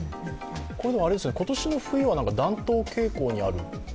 今年の冬は暖冬傾向にあるとか？